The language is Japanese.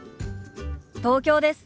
東京です。